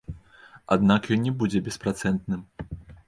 Аднак ён не будзе беспрацэнтным.